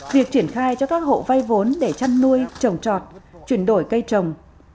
việc triển khai cho các hộ vay vốn để chăn nuôi trồng trọt chuyển đổi cây trồng